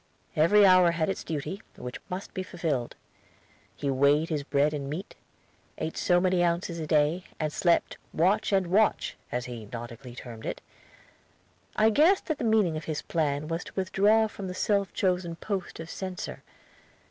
Every hour had its duty, which must be fulfilled. He weighed his bread and meat, ate so many ounces a day, and slept watch and watch, as he nautically termed it. I guessed that the meaning of his plan was to withdraw from the self chosen post of censor.